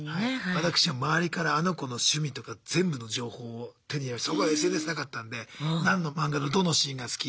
私は周りからあの子の趣味とか全部の情報を手に入れましてそのころＳＮＳなかったんで何の漫画のどのシーンが好き